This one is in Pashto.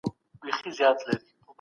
که همکاري روانه وه نو کار نه درېدی.